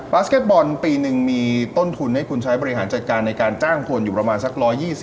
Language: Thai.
สเก็ตบอลปีหนึ่งมีต้นทุนให้คุณใช้บริหารจัดการในการจ้างคนอยู่ประมาณสัก๑๒๐